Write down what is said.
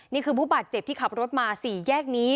นี่คือผู้บาดเจ็บที่ขับรถมาสี่แยกนี้